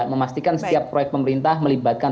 memastikan setiap proyek pemerintah melibatkan